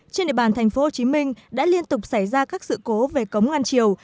trên địa bàn thành phố hồ chí minh đã liên tục xảy ra các sự cố về cống ngăn chiều